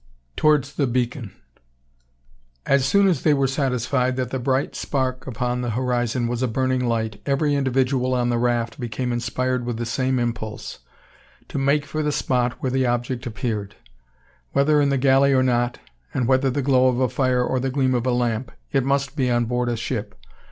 TOWARDS THE BEACON! As soon as they were satisfied that the bright spark upon the horizon was a burning light, every individual on the raft became inspired with the same impulse, to make for the spot where the object appeared. Whether in the galley or not, and whether the glow of a fire or the gleam of a lamp, it must be on board a ship.